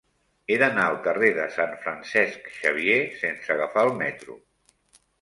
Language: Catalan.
He d'anar al carrer de Sant Francesc Xavier sense agafar el metro.